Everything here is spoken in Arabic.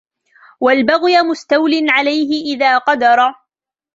وَالْبَغْيَ مُسْتَوْلٍ عَلَيْهِ إذَا قَدَرَ